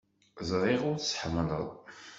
Ẓriɣ ur tt-tḥemmleḍ.